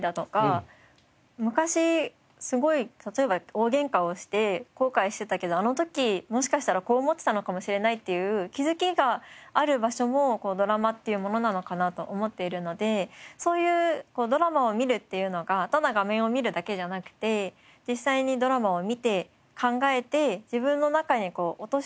昔すごい例えば大ゲンカをして後悔してたけどあの時もしかしたらこう思ってたのかもしれないっていう気づきがある場所もドラマっていうものなのかなと思っているのでそういうドラマを見るっていうのがただ画面を見るだけじゃなくて実際にドラマを見て考えて自分の中に落とし込めるような。